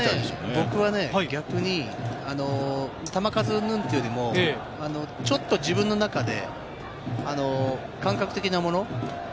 僕は逆に球数うんぬんというよりも、ちょっと自分の中で、感覚的なもの。